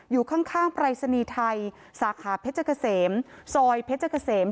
อยู่ข้างปรายศนีย์ไทยสาขาเพชรเกษมซอยเพชรเกษม